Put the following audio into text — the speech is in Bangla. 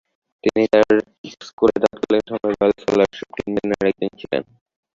তিনি তাঁর স্কুলে তৎকালীন সময়ে ‘রয়েল স্কলারশীপ’ প্রাপ্ত তিনজনের একজন ছিলেন।